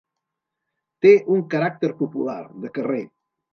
Té un caràcter popular, de carrer.